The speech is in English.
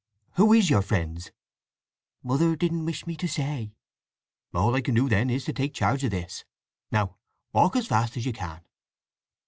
"Who is your friends?" "Mother didn't wish me to say." "All I can do, then, is to take charge of this. Now walk as fast as you can."